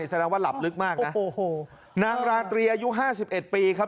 แสดงว่าหลับลึกมากนะนางราตรีอายุ๕๑ปีครับ